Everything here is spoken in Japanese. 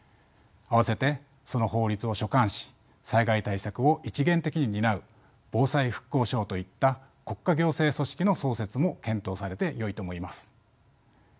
併せてその法律を所管し災害対策を一元的に担う防災復興省といった国家行政組織の創設も検討されてよいと思います。